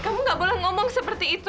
kamu gak boleh ngomong seperti itu